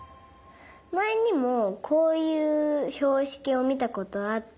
まえにもこういうひょうしきをみたことあって。